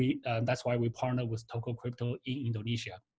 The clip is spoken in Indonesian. itulah sebabnya kami berpartner dengan toko kripto di indonesia